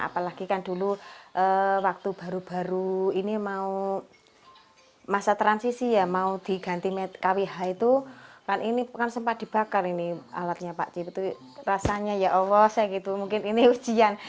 apalagi kan dulu waktu baru baru ini mau masa transisi ya mau diganti kwh itu kan ini kan sempat dibakar ini alatnya pak cip itu rasanya ya allah saya gitu mungkin ini ujian